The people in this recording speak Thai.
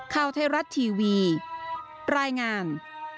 ข่าวไทยรัฐทีวีรายงาน